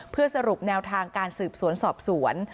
เพื่อสรุปแนวทางการสืบสวนสอบสวน